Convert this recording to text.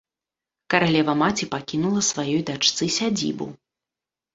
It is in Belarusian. Каралева-маці пакінула сваёй дачцы сядзібу.